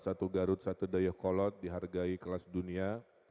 satu garut satu dayo kolot dihargai kelas dunia